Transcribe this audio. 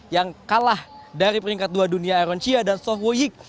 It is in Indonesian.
yang kalah dari peringkat dua dunia aaron chia dan soh woyik